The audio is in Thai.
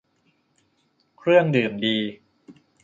เครื่องดื่มดี